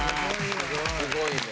すごいね。